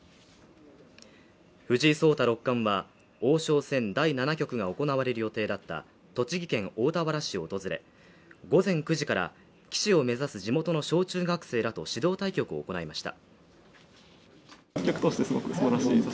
藤井聡太六冠王将戦第７局が行われる予定だった栃木県大田原市を訪れ、午前９時から棋士を目指す地元の小・中学生らと指導対局を行いました。